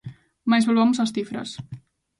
Mais volvamos ás cifras.